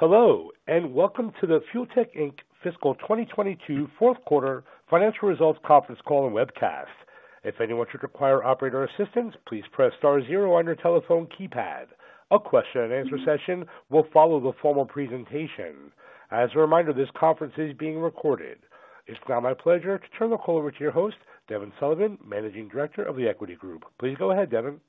Hello, and welcome to the Fuel Tech, Inc. Fiscal 2022 fourth quarter financial results conference call and webcast. If anyone should require operator assistance, please press star 0 on your telephone keypad. A question and answer session will follow the formal presentation. As a reminder, this conference is being recorded. It's now my pleasure to turn the call over to your host, Devin Sullivan, Managing Director, The Equity Group. Please go ahead, Devin.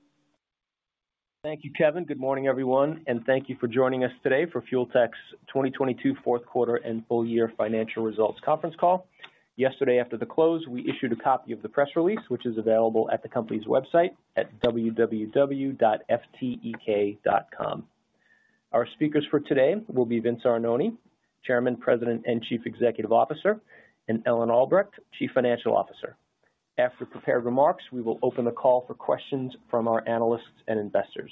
Thank you, Kevin. Good morning, everyone, and thank you for joining us today for Fuel Tech's 2022 fourth quarter and full year financial results conference call. Yesterday, after the close, we issued a copy of the press release, which is available at the company's website at www.ftek.com. Our speakers for today will be Vince Arnone, Chairman, President, and Chief Executive Officer, and Ellen Albrecht, Chief Financial Officer. After prepared remarks, we will open the call for questions from our analysts and investors.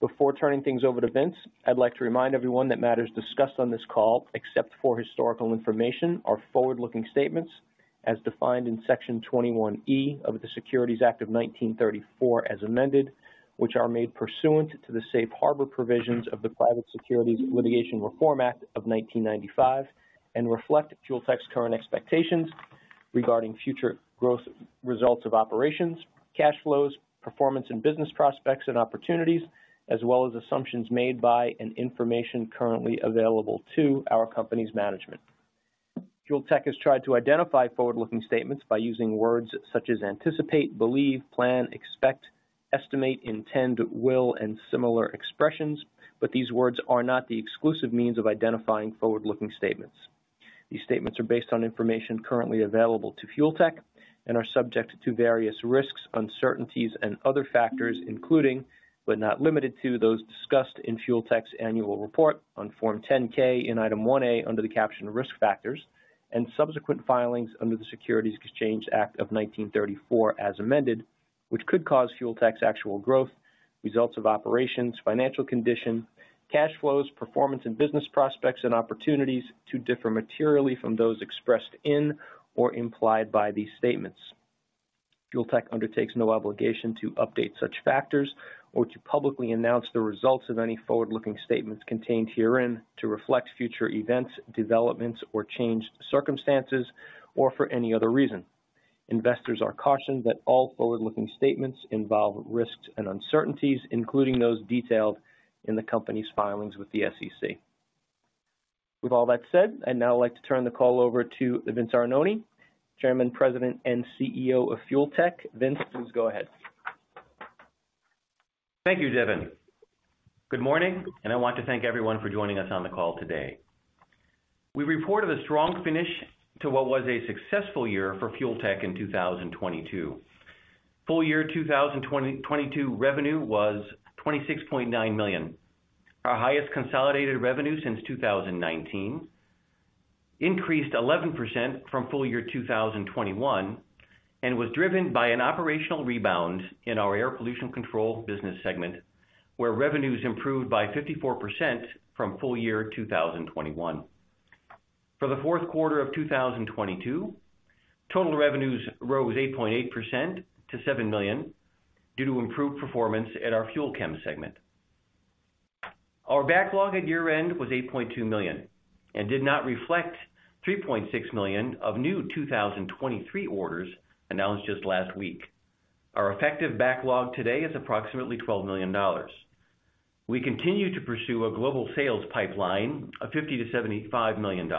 Before turning things over to Vince, I'd like to remind everyone that matters discussed on this call, except for historical information, are forward-looking statements as defined in Section 21E of the Securities Exchange Act of 1934 as amended, which are made pursuant to the Safe Harbor provisions of the Private Securities Litigation Reform Act of 1995 and reflect Fuel Tech's current expectations regarding future growth, results of operations, cash flows, performance and business prospects and opportunities, as well as assumptions made by and information currently available to our company's management. Fuel Tech has tried to identify forward-looking statements by using words such as anticipate, believe, plan, expect, estimate, intend, will and similar expressions, but these words are not the exclusive means of identifying forward-looking statements. These statements are based on information currently available to Fuel Tech and are subject to various risks, uncertainties and other factors, including, but not limited to, those discussed in Fuel Tech's annual report on Form 10-K in Item 1A under the caption Risk Factors and subsequent filings under the Securities Exchange Act of 1934 as amended, which could cause Fuel Tech's actual growth, results of operations, financial condition, cash flows, performance and business prospects and opportunities to differ materially from those expressed in or implied by these statements. Fuel Tech undertakes no obligation to update such factors or to publicly announce the results of any forward-looking statements contained herein to reflect future events, developments or changed circumstances or for any other reason. Investors are cautioned that all forward-looking statements involve risks and uncertainties, including those detailed in the company's filings with the SEC.With all that said, I'd now like to turn the call over to Vince Arnone, Chairman, President, and CEO of Fuel Tech. Vince, please go ahead. Thank you, Devin. Good morning, I want to thank everyone for joining us on the call today. We reported a strong finish to what was a successful year for Fuel Tech in 2022. Full year 2022 revenue was $26.9 million. Our highest consolidated revenue since 2019 increased 11% from full year 2021 and was driven by an operational rebound in our air pollution control business segment, where revenues improved by 54% from full year 2021. For the fourth quarter of 2022, total revenues rose 8.8% to $7 million due to improved performance at our FUEL CHEM segment. Our backlog at year-end was $8.2 million and did not reflect $3.6 million of new 2023 orders announced just last week. Our effective backlog today is approximately $12 million. We continue to pursue a global sales pipeline of $50 million-$75 million,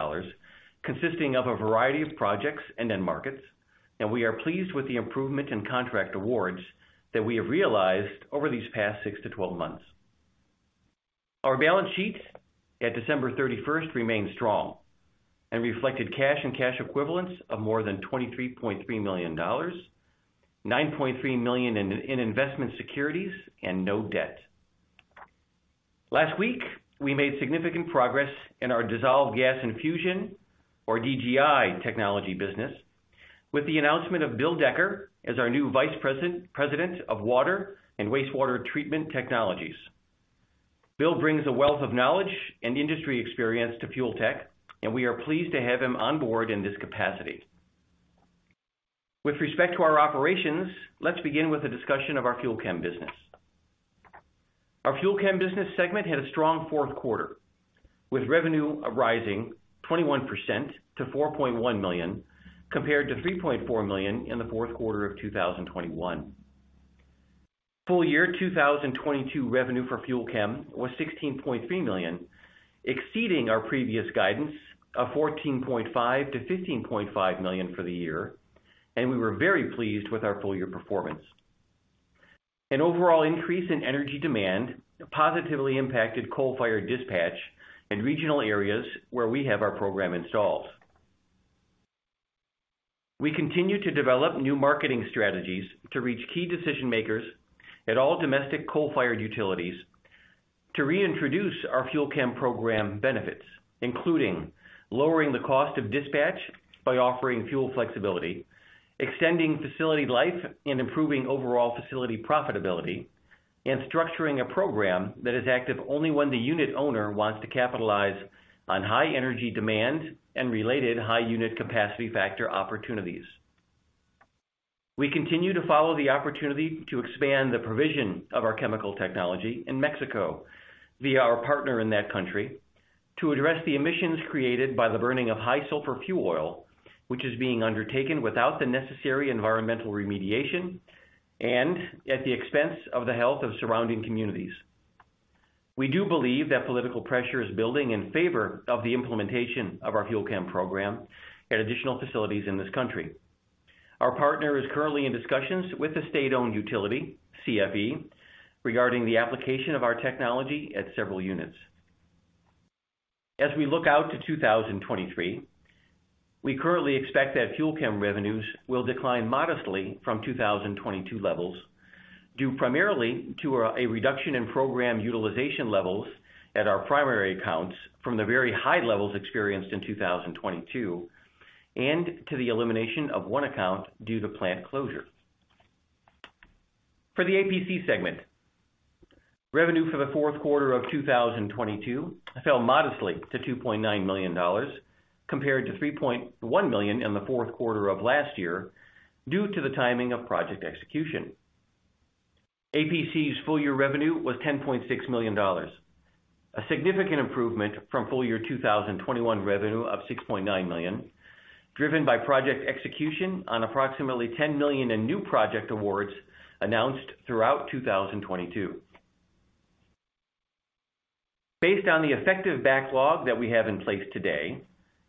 consisting of a variety of projects and end markets. We are pleased with the improvement in contract awards that we have realized over these past 6-12 months. Our balance sheet at December 31st remains strong and reflected cash and cash equivalents of more than $23.3 million, $9.3 million in investment securities and no debt. Last week, we made significant progress in our dissolved gas infusion or DGI technology business with the announcement of Bill Decker as our new Vice President of Water and Wastewater Treatment Technologies. Bill brings a wealth of knowledge and industry experience to Fuel Tech, and we are pleased to have him on board in this capacity. With respect to our operations, let's begin with a discussion of our FUEL CHEM business. Our FUEL CHEM business segment had a strong fourth quarter, with revenue rising 21% to $4.1 million, compared to $3.4 million in the fourth quarter of 2021. Full year 2022 revenue for FUEL CHEM was $16.3 million, exceeding our previous guidance of $14.5 million-$15.5 million for the year, and we were very pleased with our full year performance. An overall increase in energy demand positively impacted coal-fired dispatch in regional areas where we have our program installed. We continue to develop new marketing strategies to reach key decision makers at all domestic coal-fired utilities to reintroduce our FUEL CHEM program benefits, including lowering the cost of dispatch by offering fuel flexibility, extending facility life and improving overall facility profitability, and structuring a program that is active only when the unit owner wants to capitalize on high energy demand and related high unit capacity factor opportunities. We continue to follow the opportunity to expand the provision of our chemical technology in Mexico via our partner in that country to address the emissions created by the burning of high sulfur fuel oil, which is being undertaken without the necessary environmental remediation and at the expense of the health of surrounding communities. We do believe that political pressure is building in favor of the implementation of our FUEL CHEM program at additional facilities in this country. Our partner is currently in discussions with the state-owned utility, CFE, regarding the application of our technology at several units. As we look out to 2023, we currently expect that FUEL CHEM revenues will decline modestly from 2022 levels, due primarily to a reduction in program utilization levels at our primary accounts from the very high levels experienced in 2022 and to the elimination of 1 account due to plant closure. For the APC segment, revenue for the fourth quarter of 2022 fell modestly to $2.9 million compared to $3.1 million in the fourth quarter of last year due to the timing of project execution. APC's full-year revenue was $10.6 million, a significant improvement from full-year 2021 revenue of $6.9 million, driven by project execution on approximately $10 million in new project awards announced throughout 2022. Based on the effective backlog that we have in place today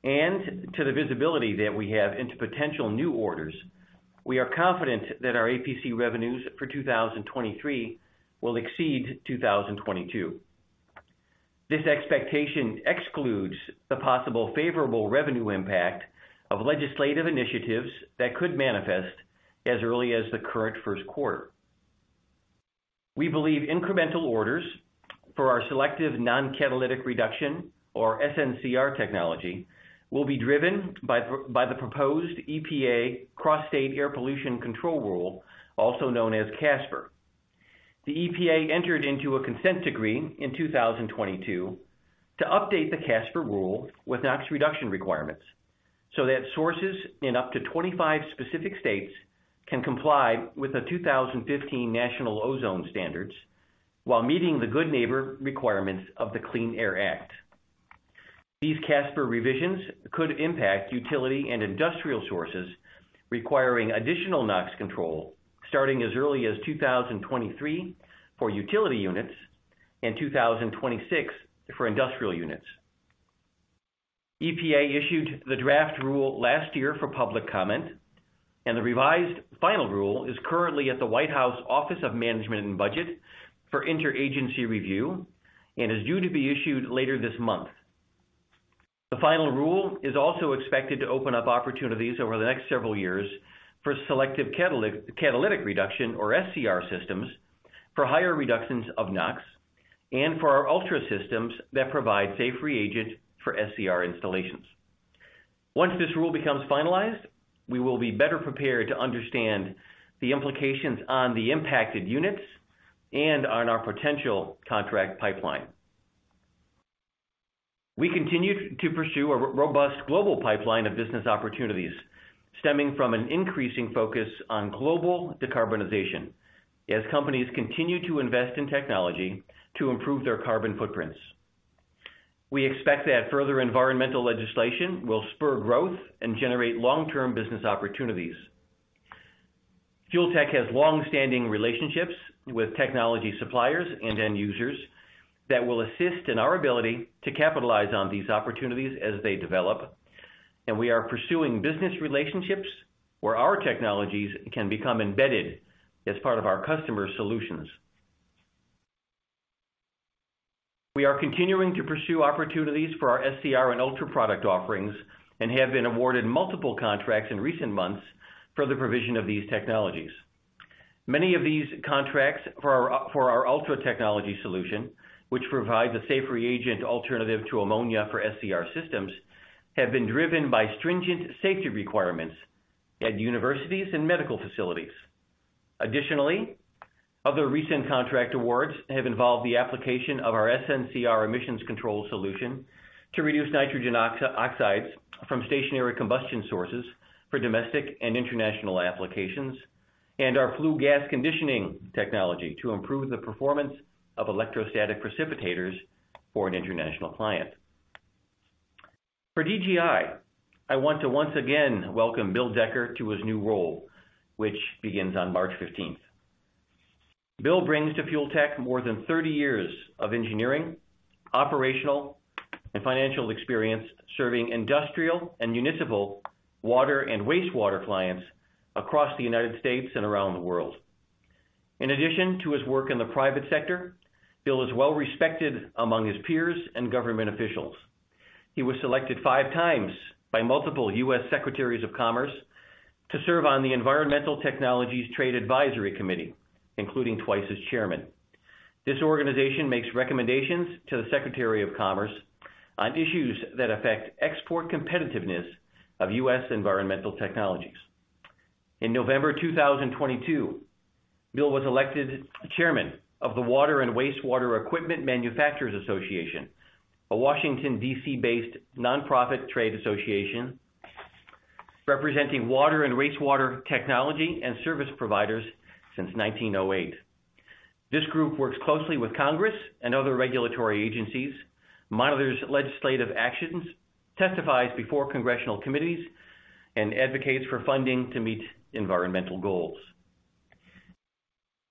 and to the visibility that we have into potential new orders, we are confident that our APC revenues for 2023 will exceed 2022. This expectation excludes the possible favorable revenue impact of legislative initiatives that could manifest as early as the current first quarter. We believe incremental orders for our Selective Non-Catalytic Reduction, or SNCR technology, will be driven by the proposed EPA Cross-State Air Pollution Rule, also known as CSAPR. The EPA entered into a consent decree in 2022 to update the CSAPR rule with NOx reduction requirements so that sources in up to 25 specific states can comply with the 2015 national ozone standards while meeting the Good Neighbor requirements of the Clean Air Act. These CSAPR revisions could impact utility and industrial sources requiring additional NOx control starting as early as 2023 for utility units and 2026 for industrial units. EPA issued the draft rule last year for public comment, and the revised final rule is currently at the White House Office of Management and Budget for inter-agency review and is due to be issued later this month. The final rule is also expected to open up opportunities over the next several years for selective catalytic reduction, or SCR systems, for higher reductions of NOx and for our ULTRA systems that provide safe reagent for SCR installations. Once this rule becomes finalized, we will be better prepared to understand the implications on the impacted units and on our potential contract pipeline. We continue to pursue a robust global pipeline of business opportunities stemming from an increasing focus on global decarbonization as companies continue to invest in technology to improve their carbon footprints. We expect that further environmental legislation will spur growth and generate long-term business opportunities. Fuel Tech has long-standing relationships with technology suppliers and end users that will assist in our ability to capitalize on these opportunities as they develop. We are pursuing business relationships where our technologies can become embedded as part of our customer solutions. We are continuing to pursue opportunities for our SCR and ULTRA product offerings and have been awarded multiple contracts in recent months for the provision of these technologies. Many of these contracts for our ULTRA technology solution, which provides a safe reagent alternative to ammonia for SCR systems, have been driven by stringent safety requirements at universities and medical facilities. Other recent contract awards have involved the application of our SNCR emissions control solution to reduce nitrogen oxides from stationary combustion sources for domestic and international applications and our flue gas conditioning technology to improve the performance of electrostatic precipitators for an international client. For DGI, I want to once again welcome Bill Decker to his new role, which begins on March 15th. Bill brings to Fuel Tech more than 30 years of engineering, operational, and financial experience serving industrial and municipal water and wastewater clients across the United States and around the world. In addition to his work in the private sector, Bill is well respected among his peers and government officials. He was selected 5 times by multiple U.S. Secretaries of Commerce to serve on the Environmental Technologies Trade Advisory Committee, including 2 times as chairman. This organization makes recommendations to the Secretary of Commerce on issues that affect export competitiveness of U.S. environmental technologies. In November 2022, Bill was elected chairman of the Water and Wastewater Equipment Manufacturers Association, a Washington, D.C.-based nonprofit trade association representing water and wastewater technology and service providers since 1908. This group works closely with Congress and other regulatory agencies, monitors legislative actions, testifies before congressional committees, and advocates for funding to meet environmental goals.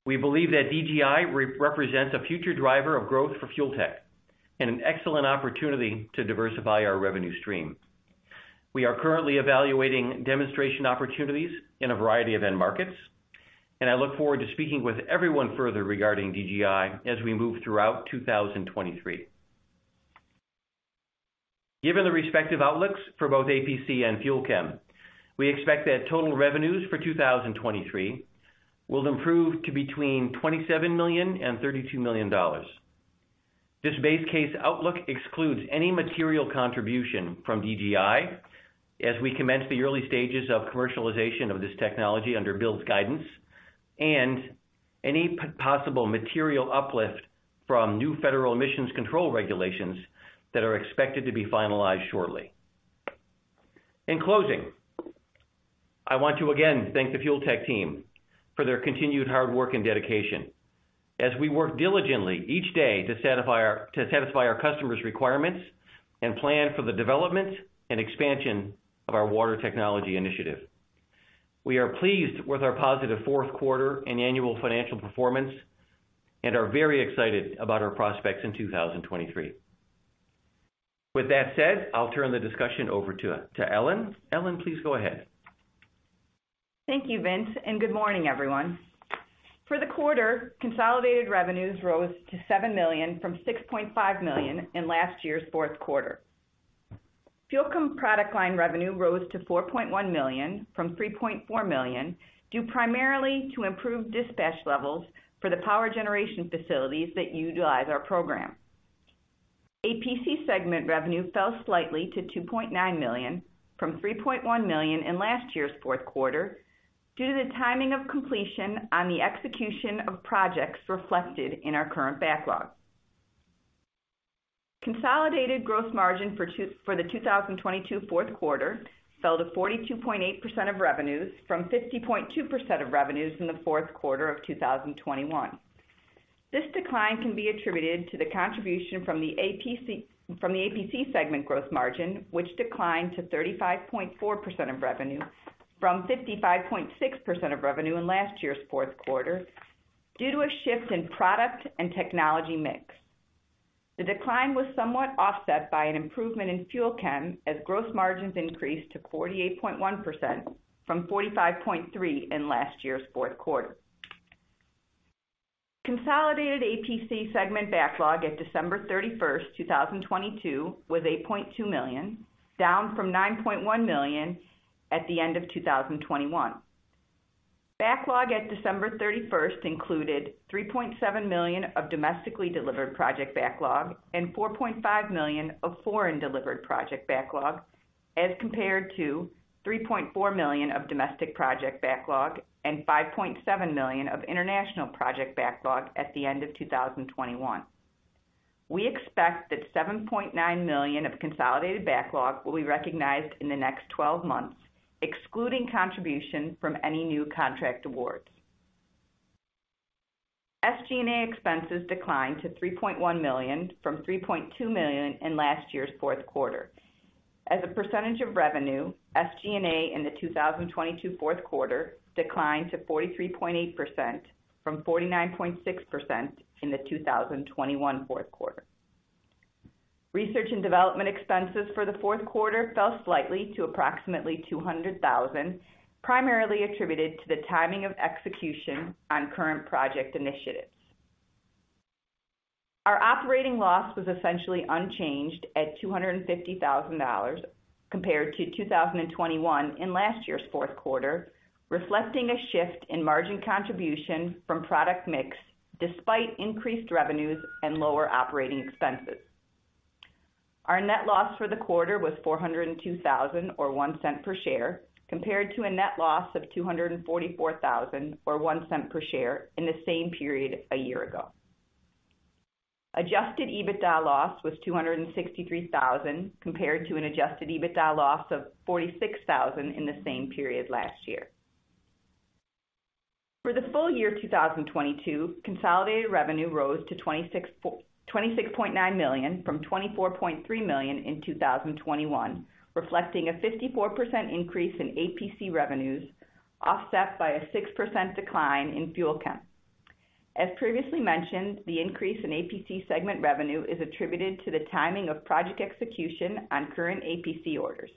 We believe that DGI re-represents a future driver of growth for Fuel Tech and an excellent opportunity to diversify our revenue stream. I look forward to speaking with everyone further regarding DGI as we move throughout 2023. Given the respective outlooks for both APC and FUEL CHEM, we expect that total revenues for 2023 will improve to between $27 million and $32 million. This base case outlook excludes any material contribution from DGI as we commence the early stages of commercialization of this technology under Bill's guidance and any possible material uplift from new federal emissions control regulations that are expected to be finalized shortly. In closing, I want to again thank the Fuel Tech team for their continued hard work and dedication as we work diligently each day to satisfy our customers' requirements and plan for the development and expansion of our water technology initiative. We are pleased with our positive fourth quarter and annual financial performance and are very excited about our prospects in 2023. With that said, I'll turn the discussion over to Ellen. Ellen, please go ahead. Thank you, Vince. Good morning, everyone. For the quarter, consolidated revenues rose to $7 million from $6.5 million in last year's fourth quarter. FUEL CHEM product line revenue rose to $4.1 million from $3.4 million, due primarily to improved dispatch levels for the power generation facilities that utilize our program. APC segment revenue fell slightly to $2.9 million from $3.1 million in last year's fourth quarter due to the timing of completion on the execution of projects reflected in our current backlog. Consolidated gross margin for the 2022 fourth quarter fell to 42.8% of revenues from 50.2% of revenues in the fourth quarter of 2021. This decline can be attributed to the contribution from the APC segment gross margin, which declined to 35.4% of revenue from 55.6% of revenue in last year's fourth quarter due to a shift in product and technology mix. The decline was somewhat offset by an improvement in FUEL CHEM as gross margins increased to 48.1% from 45.3% in last year's fourth quarter. Consolidated APC segment backlog at December 31, 2022, was $8.2 million, down from $9.1 million at the end of 2021. Backlog at December 31st included $3.7 million of domestically delivered project backlog and $4.5 million of foreign delivered project backlog as compared to $3.4 million of domestic project backlog and $5.7 million of international project backlog at the end of 2021. We expect that $7.9 million of consolidated backlog will be recognized in the next 12 months, excluding contribution from any new contract awards. SG&A expenses declined to $3.1 million from $3.2 million in last year's fourth quarter. As a percentage of revenue, SG&A in the 2022 fourth quarter declined to 43.8% from 49.6% in the 2021 fourth quarter. Research and development expenses for the fourth quarter fell slightly to approximately $200,000, primarily attributed to the timing of execution on current project initiatives. Our operating loss was essentially unchanged at $250,000 compared to 2021 in last year's fourth quarter, reflecting a shift in margin contribution from product mix despite increased revenues and lower operating expenses. Our net loss for the quarter was $402,000 or $0.01 per share, compared to a net loss of $244,000 or $0.01 per share in the same period a year ago. Adjusted EBITDA loss was $263,000, compared to an Adjusted EBITDA loss of $46,000 in the same period last year. For the full year 2022, consolidated revenue rose to $26.9 million from $24.3 million in 2021, reflecting a 54% increase in APC revenues, offset by a 6% decline in FUEL CHEM. As previously mentioned, the increase in APC segment revenue is attributed to the timing of project execution on current APC orders.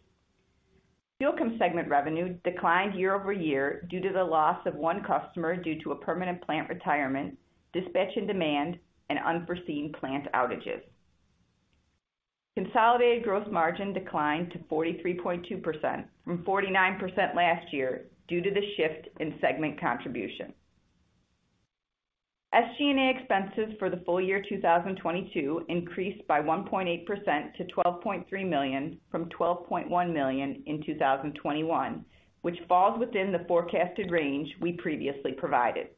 FUEL CHEM segment revenue declined year-over-year due to the loss of 1 customer due to a permanent plant retirement, dispatch and demand, and unforeseen plant outages. Consolidated gross margin declined to 43.2% from 49% last year due to the shift in segment contribution. SG&A expenses for the full year 2022 increased by 1.8% to $12.3 million from $12.1 million in 2021, which falls within the forecasted range we previously provided.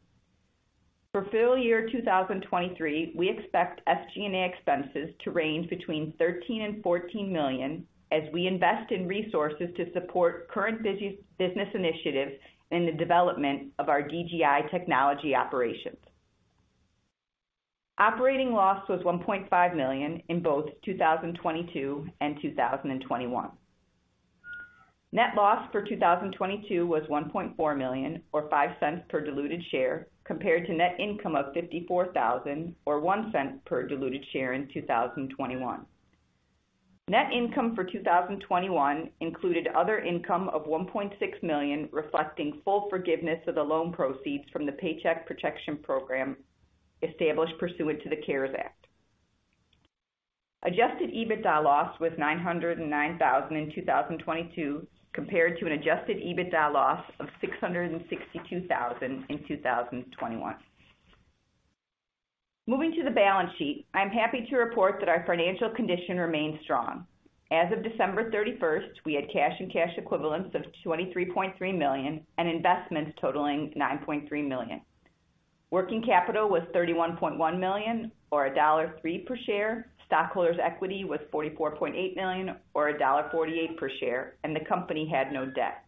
Full year 2023, we expect SG&A expenses to range between $13 million and $14 million as we invest in resources to support current business initiatives in the development of our DGI technology operations. Operating loss was $1.5 million in both 2022 and 2021. Net loss for 2022 was $1.4 million or $0.05 per diluted share, compared to net income of $54,000 or $0.01 per diluted share in 2021. Net income for 2021 included other income of $1.6 million, reflecting full forgiveness of the loan proceeds from the Paycheck Protection Program established pursuant to the CARES Act. Adjusted EBITDA loss was $909,000 in 2022, compared to an Adjusted EBITDA loss of $662,000 in 2021. Moving to the balance sheet, I'm happy to report that our financial condition remains strong. As of December 31st, we had cash and cash equivalents of $23.3 million and investments totaling $9.3 million. Working capital was $31.1 million or $1.03 per share. Stockholders equity was $44.8 million or $1.48 per share, and the company had no debt.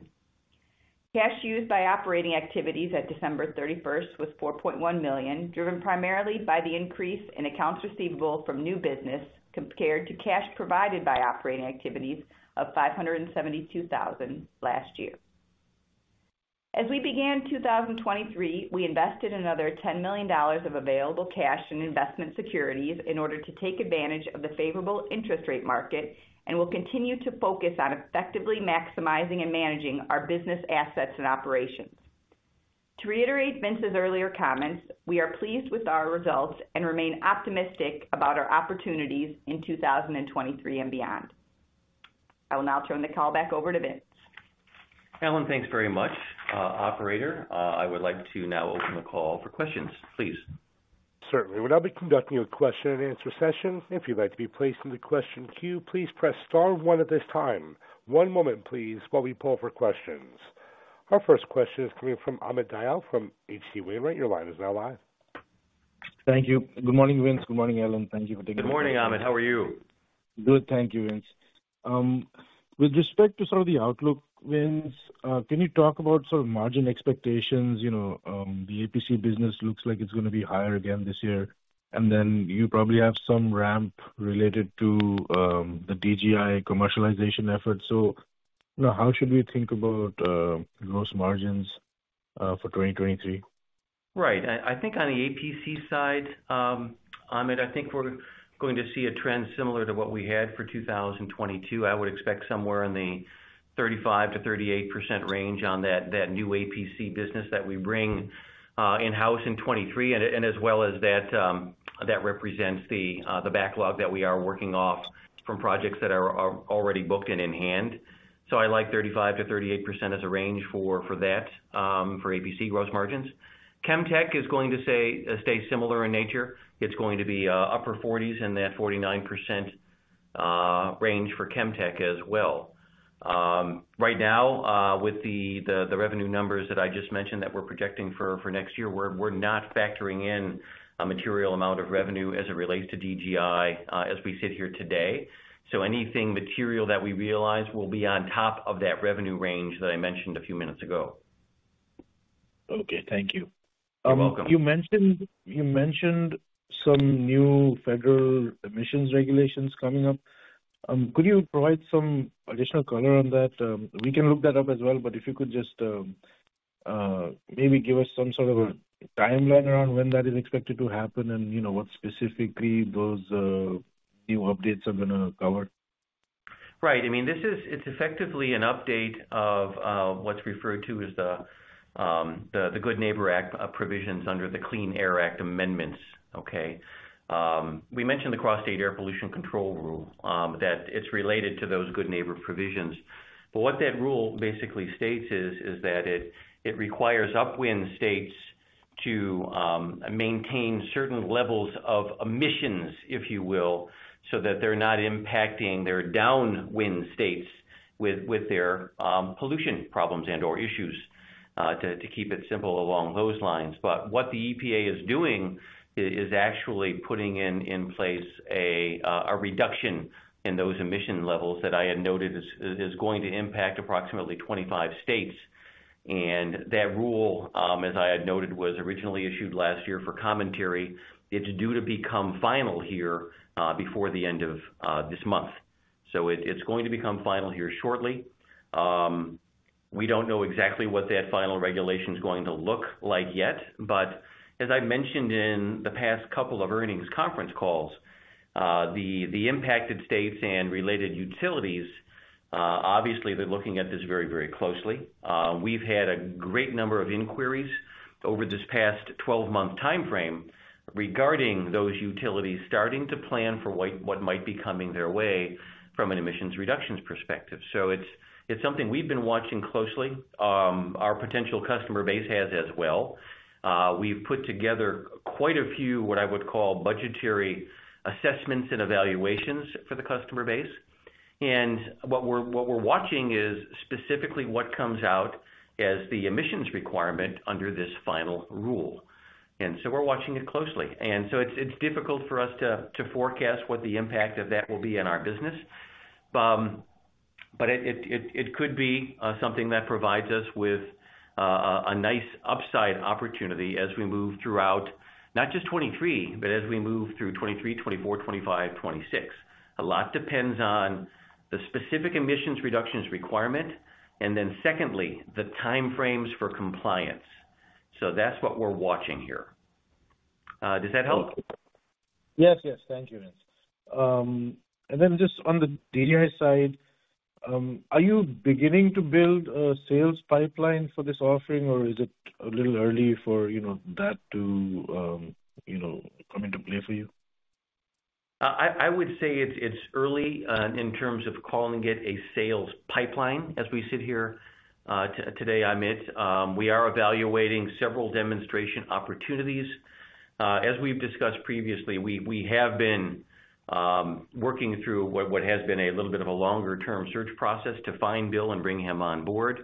Cash used by operating activities at December 31st was $4.1 million, driven primarily by the increase in accounts receivable from new business compared to cash provided by operating activities of $572,000 last year. As we began 2023, we invested another $10 million of available cash and investment securities in order to take advantage of the favorable interest rate market and will continue to focus on effectively maximizing and managing our business assets and operations. To reiterate Vince's earlier comments, we are pleased with our results and remain optimistic about our opportunities in 2023 and beyond. I will now turn the call back over to Vince. Ellen, thanks very much. Operator, I would like to now open the call for questions, please. Certainly. We'll now be conducting a question and answer session. If you'd like to be placed in the question queue, please press star one at this time. One moment please, while we pull for questions. Our first question is coming from Amit Dayal from H.C. Wainwright. Your line is now live. Thank you. Good morning, Vince. Good morning, Ellen. Thank you for taking- Good morning, Amit. How are you? Good, thank you, Vince. With respect to some of the outlook, Vince, can you talk about sort of margin expectations? You know, the APC business looks like it's gonna be higher again this year, and then you probably have some ramp related to the DGI commercialization efforts. You know, how should we think about gross margins for 2023? Right. I think on the APC side, Amit, I think we're going to see a trend similar to what we had for 2022. I would expect somewhere in the 35%-38% range on that new APC business that we bring in-house in 2023 and as well as that represents the backlog that we are working off from projects that are already booked and in hand. I like 35%-38% as a range for that for APC gross margins. Chemtech is going to say, stay similar in nature. It's going to be upper forties in that 49% range for Chemtech as well. Right now, with the revenue numbers that I just mentioned that we're projecting for next year, we're not factoring in a material amount of revenue as it relates to DGI, as we sit here today. Anything material that we realize will be on top of that revenue range that I mentioned a few minutes ago. Okay. Thank you. You're welcome. You mentioned some new federal emissions regulations coming up? Could you provide some additional color on that? We can look that up as well. If you could just, maybe give us some sort of a timeline around when that is expected to happen and, you know, what specifically those new updates are gonna cover? Right. I mean, It's effectively an update of what's referred to as the Good Neighbor Act provisions under the Clean Air Act Amendments. Okay. We mentioned the Cross-State Air Pollution Control rule that it's related to those Good Neighbor provisions. What that rule basically states is that it requires upwind states to maintain certain levels of emissions, if you will, so that they're not impacting their downwind states with their pollution problems and/or issues to keep it simple along those lines. What the EPA is doing is actually putting in place a reduction in those emission levels that I had noted is going to impact approximately 25 states. That rule, as I had noted, was originally issued last year for commentary. It's due to become final here, before the end of this month. It's going to become final here shortly. We don't know exactly what that final regulation is going to look like yet, but as I mentioned in the past couple of earnings conference calls, the impacted states and related utilities, obviously they're looking at this very, very closely. We've had a great number of inquiries over this past 12-month timeframe regarding those utilities starting to plan for what might be coming their way from an emissions reductions perspective. It's something we've been watching closely. Our potential customer base has as well. We've put together quite a few, what I would call budgetary assessments and evaluations for the customer base. What we're watching is specifically what comes out as the emissions requirement under this final rule. We're watching it closely. It's difficult for us to forecast what the impact of that will be in our business. but it could be something that provides us with a nice upside opportunity as we move throughout not just 2023, but as we move through 2023, 2024, 2025, 2026. A lot depends on the specific emissions reductions requirement and then secondly, the time frames for compliance. That's what we're watching here. Does that help? Yes, yes. Thank you, Vince. Then just on the DGI side, are you beginning to build a sales pipeline for this offering or is it a little early for, you know, that to, you know, come into play for you? I would say it's early in terms of calling it a sales pipeline as we sit here today, Amit. We are evaluating several demonstration opportunities. As we've discussed previously, we have been working through what has been a little bit of a longer-term search process to find Bill and bring him on board.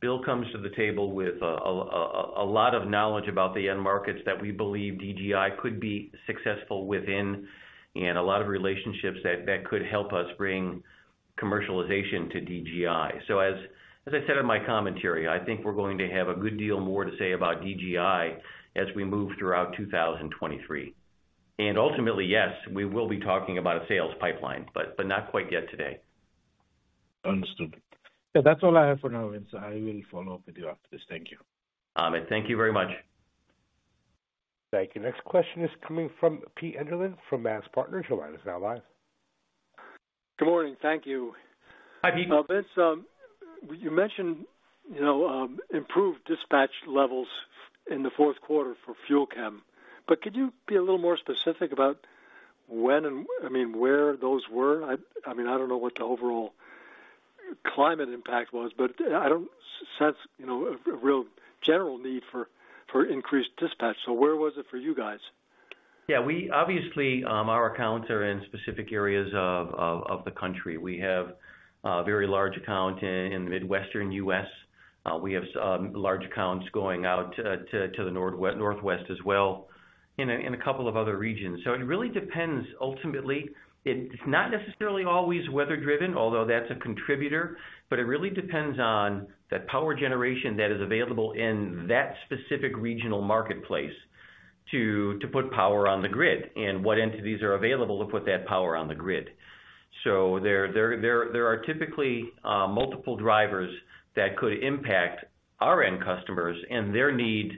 Bill comes to the table with a lot of knowledge about the end markets that we believe DGI could be successful within and a lot of relationships that could help us bring commercialization to DGI. As I said in my commentary, I think we're going to have a good deal more to say about DGI as we move throughout 2023. Ultimately, yes, we will be talking about a sales pipeline, but not quite yet today. Understood. Yeah, that's all I have for now, Vince. I will follow up with you after this. Thank you. Amit, thank you very much. Thank you. Next question is coming from Peter Enderlin from MAZ Partners. Your line is now live. Good morning. Thank you. Hi, Pete. Vince, you mentioned, you know, improved dispatch levels in the fourth quarter for FUEL CHEM. Could you be a little more specific about when and I mean, where those were? I mean, I don't know what the overall climate impact was. I don't sense, you know, a real general need for increased dispatch. Where was it for you guys? We obviously, our accounts are in specific areas of the country. We have a very large account in Midwestern U.S. We have large accounts going out to the Northwest as well in a couple of other regions. It really depends ultimately. It's not necessarily always weather driven, although that's a contributor, but it really depends on the power generation that is available in that specific regional marketplace to put power on the grid and what entities are available to put that power on the grid. There are typically multiple drivers that could impact our end customers and their need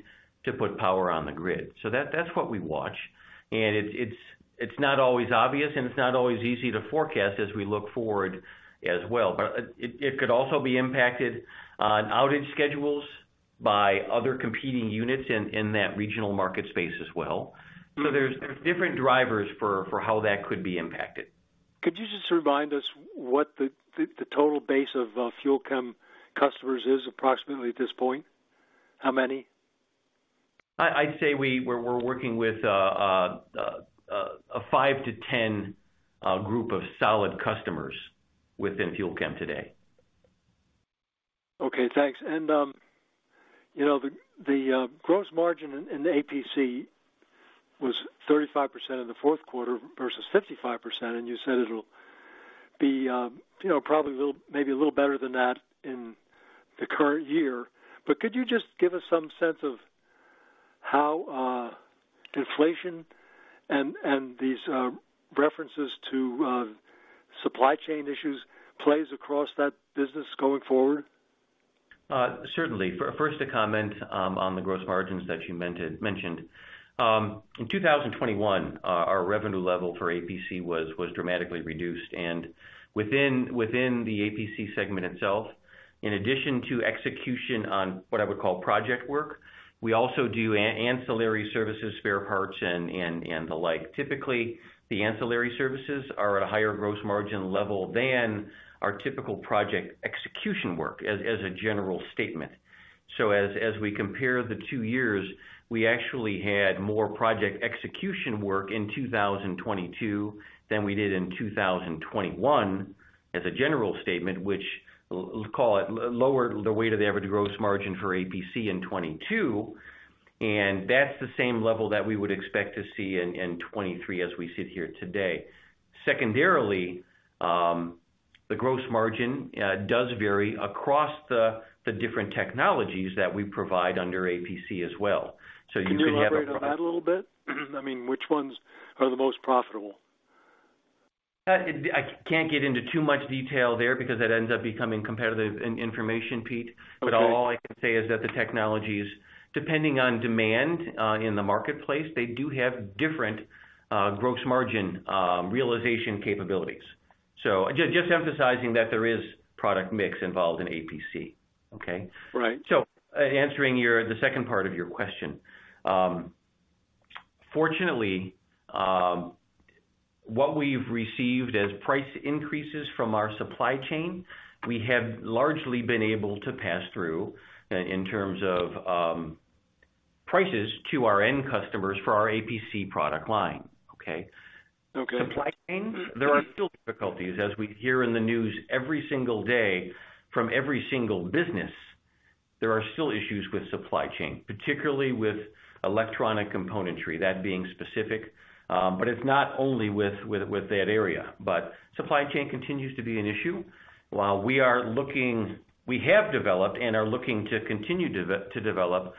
to put power on the grid. That's what we watch. It's not always obvious and it's not always easy to forecast as we look forward as well. It could also be impacted on outage schedules by other competing units in that regional market space as well. There's different drivers for how that could be impacted. Could you just remind us what the total base of FUEL CHEM customers is approximately at this point? How many? I'd say we're working with a 5-10 group of solid customers within FUEL CHEM today. Okay, thanks. You know, the, gross margin in the APC was 35% in the fourth quarter versus 55%, and you said it'll be, you know, probably a little, maybe a little better than that in the current year. Could you just give us some sense of deflation and these, references to, supply chain issues plays across that business going forward? Certainly. First to comment on the gross margins that you mentioned. In 2021, our revenue level for APC was dramatically reduced. Within the APC segment itself, in addition to execution on what I would call project work, we also do ancillary services, spare parts and the like. Typically, the ancillary services are at a higher gross margin level than our typical project execution work, as a general statement. As we compare the two years, we actually had more project execution work in 2022 than we did in 2021 as a general statement, which let's call it lowered the weight of the average gross margin for APC in 2022, and that's the same level that we would expect to see in 2023 as we sit here today. Secondarily, the gross margin, does vary across the different technologies that we provide under APC as well. You could have. Can you elaborate on that a little bit? I mean, which ones are the most profitable? I can't get into too much detail there because that ends up becoming competitive information, Pete. Okay. All I can say is that the technologies, depending on demand, in the marketplace, they do have different gross margin realization capabilities. Just emphasizing that there is product mix involved in APC. Okay? Right. Answering your, the second part of your question. Fortunately, what we've received as price increases from our supply chain, we have largely been able to pass through in terms of, prices to our end customers for our APC product line. Okay? Okay. Supply chain, there are still difficulties as we hear in the news every single day from every single business, there are still issues with supply chain, particularly with electronic componentry, that being specific. It's not only with that area, but supply chain continues to be an issue. We have developed and are looking to continue to develop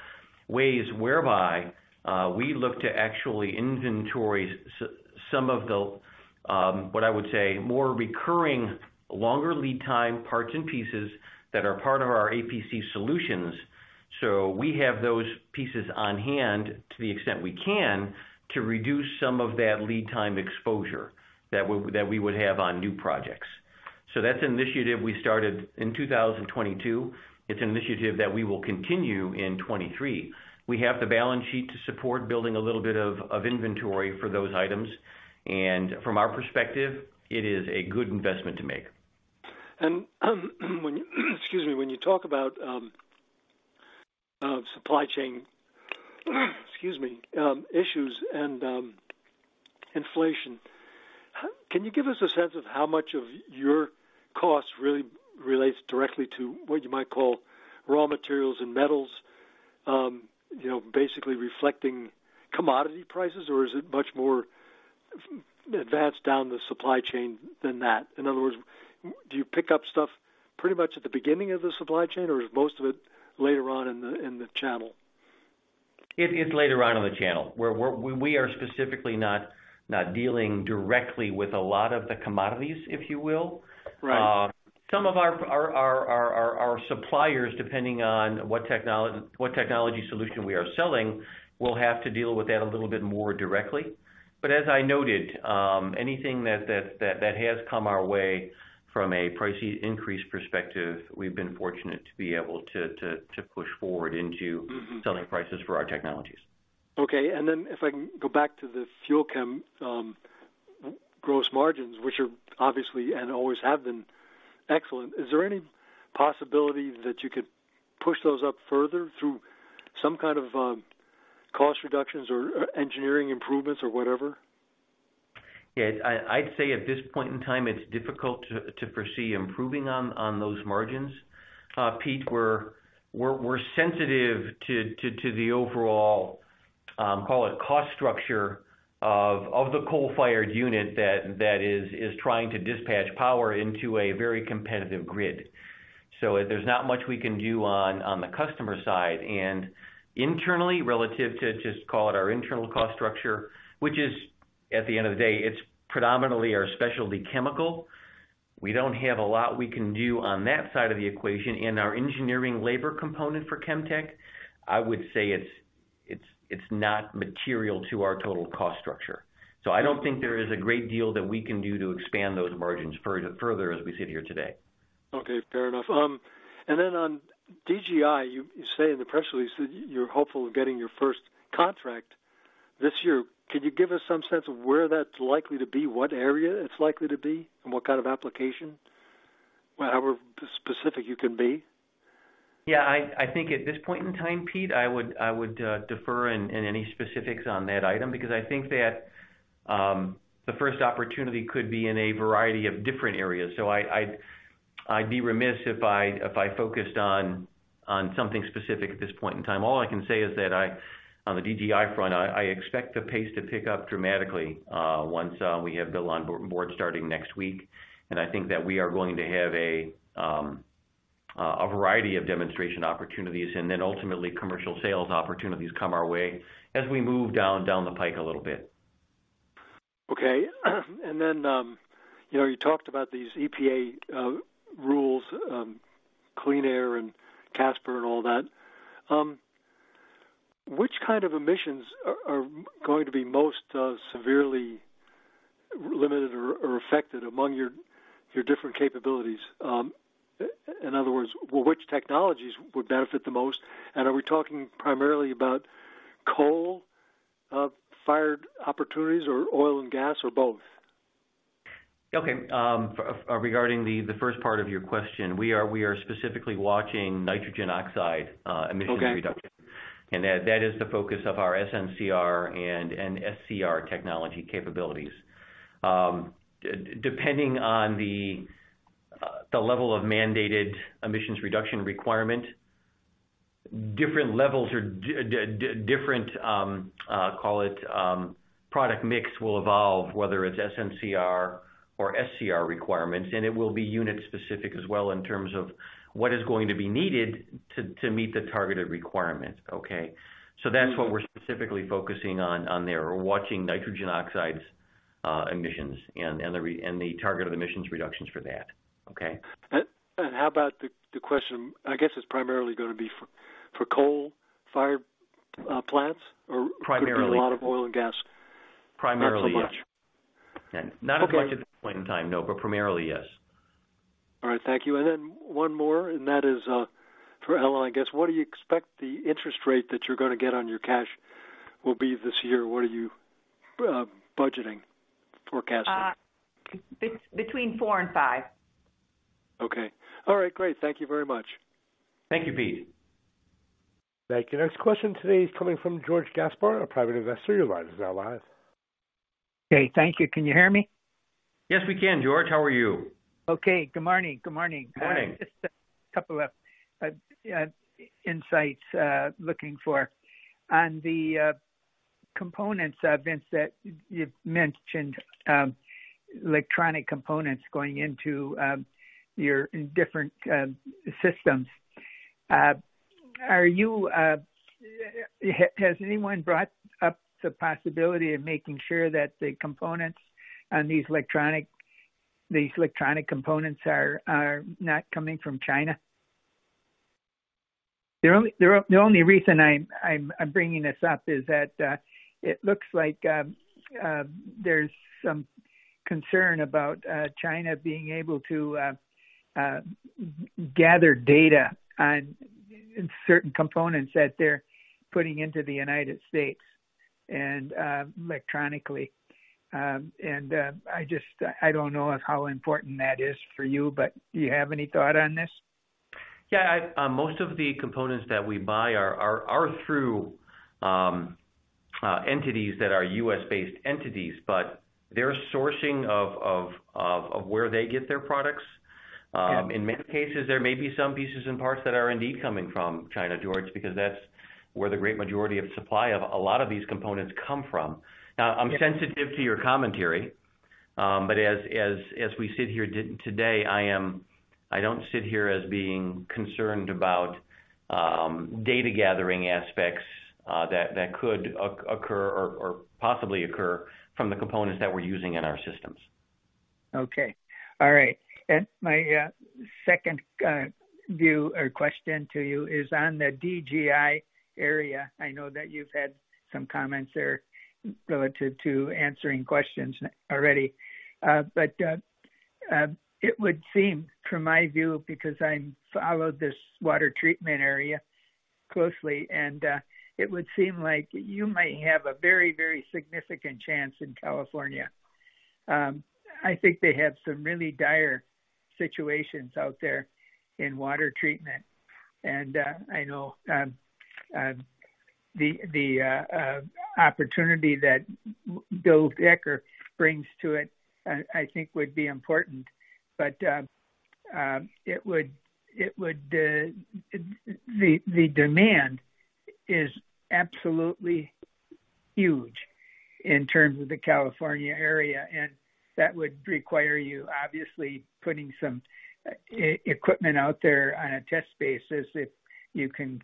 ways whereby we look to actually inventory some of the, what I would say, more recurring, longer lead time parts and pieces that are part of our APC solutions. We have those pieces on hand to the extent we can to reduce some of that lead time exposure that we would have on new projects. That's an initiative we started in 2022. It's an initiative that we will continue in 23. We have the balance sheet to support building a little bit of inventory for those items. From our perspective, it is a good investment to make. When, excuse me, when you talk about supply chain, excuse me, issues and inflation, can you give us a sense of how much of your cost really relates directly to what you might call raw materials and metals, you know, basically reflecting commodity prices? Or is it much more advanced down the supply chain than that? In other words, do you pick up stuff pretty much at the beginning of the supply chain, or is most of it later on in the, in the channel? It is later on in the channel, where we are specifically not dealing directly with a lot of the commodities, if you will. Right. Some of our suppliers, depending on what technology solution we are selling, will have to deal with that a little bit more directly. As I noted, anything that has come our way from a price increase perspective, we've been fortunate to be able to push forward into selling prices for our technologies. Okay. If I can go back to the FUEL CHEM gross margins, which are obviously and always have been excellent, is there any possibility that you could push those up further through some kind of cost reductions or engineering improvements or whatever? Yeah. I'd say at this point in time, it's difficult to foresee improving on those margins. Pete, we're sensitive to the overall call it cost structure of the coal-fired unit that is trying to dispatch power into a very competitive grid. There's not much we can do on the customer side. Internally, relative to just call it our internal cost structure, which is, at the end of the day, it's predominantly our specialty chemical. We don't have a lot we can do on that side of the equation. Our engineering labor component for Chemtech, I would say it's not material to our total cost structure. I don't think there is a great deal that we can do to expand those margins further as we sit here today. Okay. Fair enough. On DGI, you say in the press release that you're hopeful of getting your first contract this year. Can you give us some sense of where that's likely to be, what area it's likely to be, and what kind of application? However specific you can be. Yeah, I think at this point in time, Pete, I would defer in any specifics on that item, because I think that the first opportunity could be in a variety of different areas. I'd be remiss if I focused on something specific at this point in time. All I can say is that on the DGI front, I expect the pace to pick up dramatically once we have Bill on board starting next week. I think that we are going to have a variety of demonstration opportunities, and then ultimately commercial sales opportunities come our way as we move down the pike a little bit. Okay. Then, you know, you talked about these EPA rules, Clean Air and CSAPR and all that. Which kind of emissions are going to be most severely limited or affected among your different capabilities? In other words, which technologies would benefit the most? Are we talking primarily about coal fired opportunities or oil and gas or both? Okay. Regarding the first part of your question, we are specifically watching nitrogen oxide emissions reduction. Okay. That, that is the focus of our SNCR and SCR technology capabilities. Depending on the level of mandated emissions reduction requirement, different levels or different, call it, product mix will evolve, whether it's SNCR or SCR requirements, and it will be unit-specific as well in terms of what is going to be needed to meet the targeted requirement. Okay? That's what we're specifically focusing on there. We're watching nitrogen oxides emissions and the targeted emissions reductions for that. Okay? How about the question, I guess it's primarily gonna be for coal-fired plants or... Primarily. Could be a lot of oil and gas. Primarily, yes. Not so much. Not at like this point in time, no, but primarily, yes. All right. Thank you. One more, and that is for Ellen, I guess. What do you expect the interest rate that you're gonna get on your cash will be this year? What are you budgeting, forecasting? Uh, be-between four and five. Okay. All right, great. Thank you very much. Thank you, Pete. Thank you. Next question today is coming from George Gaspar, a private investor. Your line is now live. Okay, thank you. Can you hear me? Yes, we can, George. How are you? Okay. Good morning. Good morning. Morning. Just a couple of insights looking for. On the components, Vince, that you've mentioned, electronic components going into your different systems. Are you, has anyone brought up the possibility of making sure that the components on these electronic components are not coming from China? The only reason I'm bringing this up is that it looks like there's some concern about China being able to gather data on certain components that they're putting into the United States and electronically. I just, I don't know how important that is for you, but do you have any thought on this? I, most of the components that we buy are through entities that are U.S.-based entities, their sourcing of where they get their products. In many cases, there may be some pieces and parts that are indeed coming from China, George, because that's where the great majority of supply of a lot of these components come from. I'm sensitive to your commentary, as we sit here today, I don't sit here as being concerned about data gathering aspects that could occur or possibly occur from the components that we're using in our systems. Okay. All right. My second view or question to you is on the DGI area. I know that you've had some comments there relative to answering questions already. It would seem from my view, because I followed this water treatment area closely, it would seem like you might have a very, very significant chance in California. I think they have some really dire situations out there in water treatment. I know the opportunity that William Decker brings to it, I think would be important. The demand is absolutely huge in terms of the California area, and that would require you obviously putting some e-equipment out there on a test basis if you can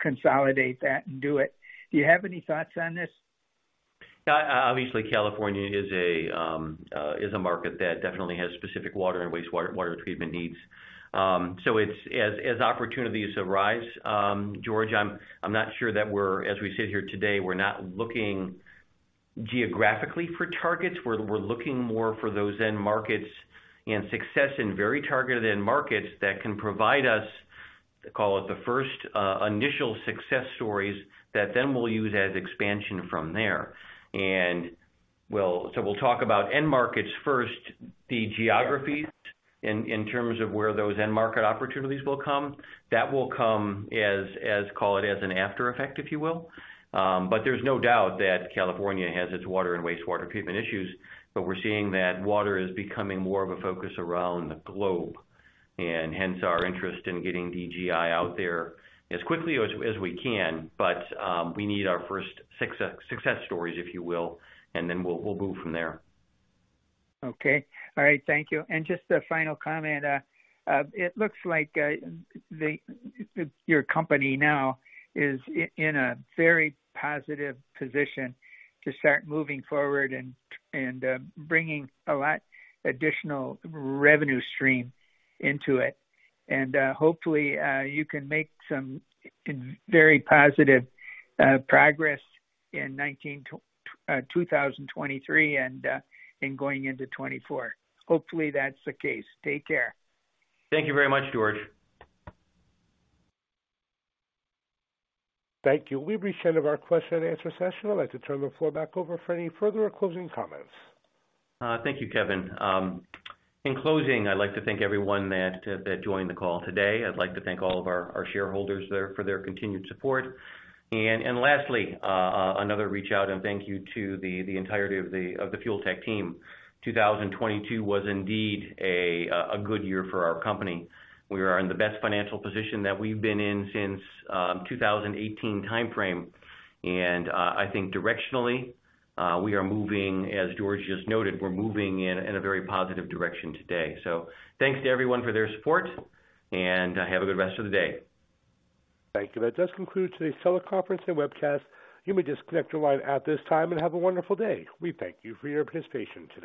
consolidate that and do it. Do you have any thoughts on this? Yeah. Obviously, California is a market that definitely has specific water and wastewater, water treatment needs. It's as opportunities arise, George, I'm not sure that as we sit here today, we're not looking geographically for targets. We're looking more for those end markets and success in very targeted end markets that can provide us, call it, the first initial success stories that then we'll use as expansion from there. We'll talk about end markets first, the geographies in terms of where those end market opportunities will come. That will come as call it, as an after effect, if you will. There's no doubt that California has its water and wastewater treatment issues. We're seeing that water is becoming more of a focus around the globe and hence our interest in getting DGI out there as quickly as we can. We need our first success stories, if you will, and then we'll move from there. Okay. All right. Thank you. Just a final comment. It looks like the, your company now is in a very positive position to start moving forward and bringing a lot additional revenue stream into it. Hopefully, you can make some very positive progress in 2023 and going into 2024. Hopefully, that's the case. Take care. Thank you very much, George. Thank you. We've reached the end of our question and answer session. I'd like to turn the floor back over for any further closing comments. Thank you, Kevin. In closing, I'd like to thank everyone that joined the call today. I'd like to thank all of our shareholders there for their continued support. Lastly, another reach out and thank you to the entirety of the Fuel Tech team. 2022 was indeed a good year for our company. We are in the best financial position that we've been in since 2018 timeframe. I think directionally, we are moving, as George just noted, we're moving in a very positive direction today. Thanks to everyone for their support, and, have a good rest of the day. Thank you. That does conclude today's teleconference and webcast. You may disconnect your line at this time and have a wonderful day. We thank you for your participation today.